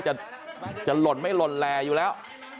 จะหล่นไม่หล่นแหล่อยู่แล้ว